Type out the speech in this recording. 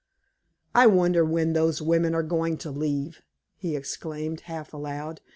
"I wonder when those women are going to leave?" he exclaimed, half aloud.